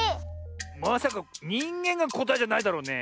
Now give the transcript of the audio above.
まさか「にんげん」がこたえじゃないだろうね。